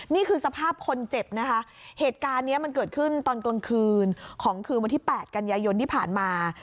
นี่คือสภาพคนเจ็บนะคะเหตุการณ์นี้มันเกิดขึ้นตอนกลางคืนของคืนวันที่๘กันยายนที่ผ่านมา